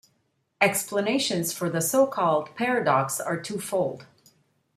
Explanations for the so-called paradox are two-fold.